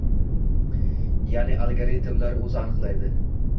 — Yaʼni algoritmlar oʻzi aniqlaydi.